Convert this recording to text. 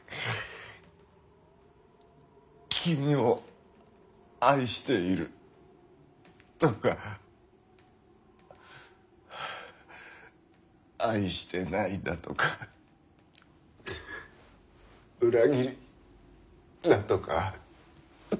君を愛しているとかハァー愛してないだとか裏切りだとかうっ信頼。